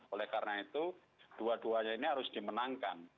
oleh karena itu dua duanya ini harus dimenangkan